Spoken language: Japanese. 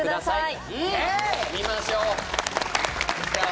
見ましょう！